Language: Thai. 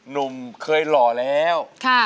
หนุ่มเคยหล่อแล้ว